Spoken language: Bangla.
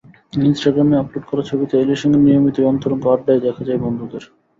ইনস্টাগ্রামে আপলোড করা ছবিতে এলির সঙ্গে নিয়মিতই অন্তরঙ্গ আড্ডায় দেখা যায় বন্ধুদের।